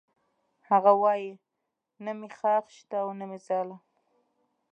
هغه وایی نه مې خاښ شته او نه ځاله